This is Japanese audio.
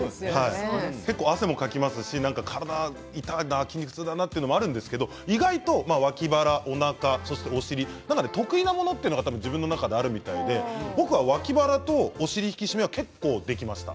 結構、汗もかきますし体が痛いな筋肉痛だなということもあるんですけど意外と脇腹おなか、お尻、得意なものが自分の中でもあるみたいで僕は脇腹とお尻引き締めは結構できました。